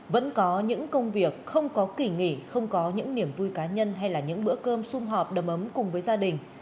vẫn có những công việc không có kỷ nghỉ không có những niềm vui cá nhân hay là những bữa cơm xung họp đầm ấm cùng với gia đình